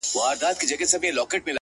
• انګازې به یې خپرې سوې په درو کي ,